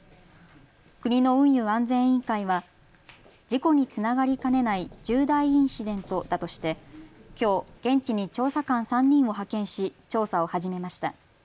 国の運輸安全委員会は事故につながりかねない重大インシデントだとしてきょう現地に調査官３人を派遣し調査を始めました。